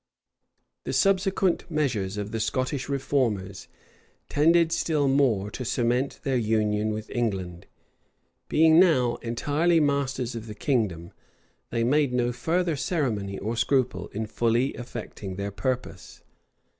[*] The subsequent measures of the Scottish reformers tended still more to cement their union with England. Being now entirely masters of the kingdom, they made no further ceremony or scruple in fully effecting their purpose.